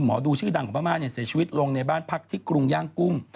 หมอดูชื่อดังของพม่าเนี่ยเสียชีวิตลงในบ้านพักที่กรุงย่างกุ้ง